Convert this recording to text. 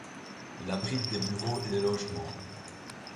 Il abrite des bureaux et des logements.